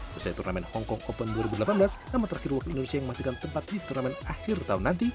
setelah turnamen hongkong open dua ribu delapan belas nama terakhir wakil indonesia yang mematikan tempat di turnamen akhir tahun nanti